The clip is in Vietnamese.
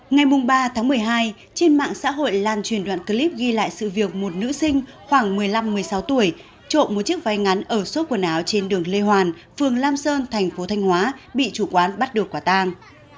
ngày ba tháng một mươi hai trên mạng xã hội lan truyền đoạn clip ghi lại sự việc một nữ sinh khoảng một mươi năm một mươi sáu tuổi trộm một chiếc váy ngắn ở số quần áo trên đường lê hoàn phường lam sơn thành phố thanh hóa bị chủ quán bắt được quả tàng